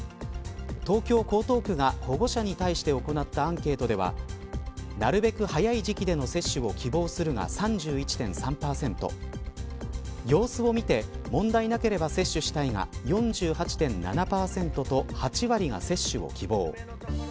東京、江東区が保護者に対して行ったアンケートではなるべく早い時期での接種を希望するが３１．３％様子を見て問題なければ接種したいが４８．７％と８割が接種を希望。